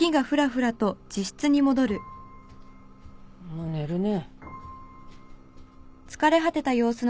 もう寝るね。